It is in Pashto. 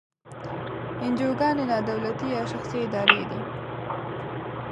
انجوګانې نا دولتي یا شخصي ادارې دي.